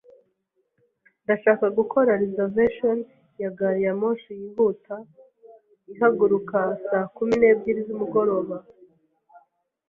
Ndashaka gukora reservation ya gari ya moshi yihuta ihaguruka saa kumi n'ebyiri z'umugoroba